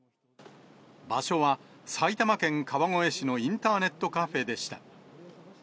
場所は、埼玉県川越市のインターネットカフェでした。